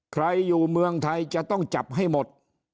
ใครอยู่เมืองไทยจะต้องจับให้หมด